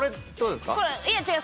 いえ違う。